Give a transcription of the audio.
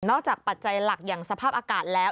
ปัจจัยหลักอย่างสภาพอากาศแล้ว